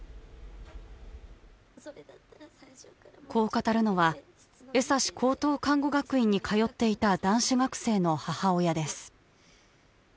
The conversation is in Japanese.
こう語るのは江差高等看護学院に通っていた男子学生の母親です。